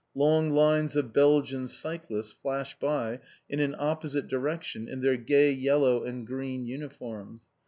Long lines of Belgian cyclists flash by in an opposite direction in their gay yellow and green uniforms.